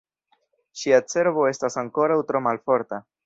Ŝia cerbo estas ankoraŭ tro malforta.